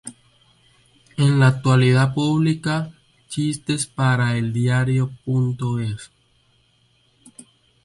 En la actualidad publica chistes para eldiario.es.